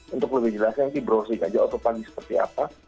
untuk lebih jelasnya nanti browsing aja otopannya seperti apa